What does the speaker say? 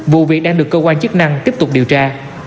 vụ việc đang được cơ quan chức năng tiếp tục điều tra